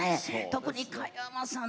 特に加山さん